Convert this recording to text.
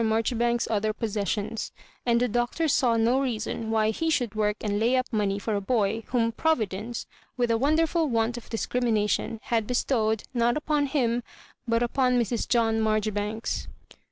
Marjori banks'a other possessions; and the Doctor saw no reason why he should work and lay up money for a boy whom Providence, with a wonderful want of discrimination, had bestowed, not upon him, but upon Mrs. John Marjoribanks.